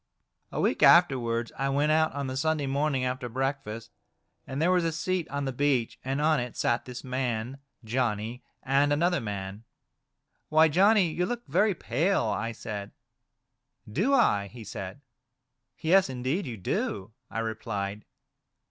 A week afterwards, I went out on the Sunday morning after breakfast, and there was a seat on the beach, and on it sat this man, Johnny, and another man. " Why, Johnny, you look very pale," I said. " Do I ?" he said. "Yes ! indeed you do," I replied.